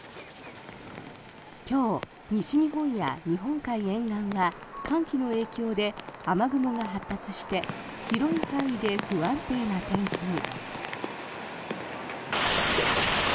今日、西日本や日本海沿岸は寒気の影響で雨雲が発達して広い範囲で不安定な天気に。